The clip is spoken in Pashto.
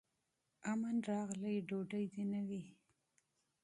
امن راغلی ډوډۍ دي نه وي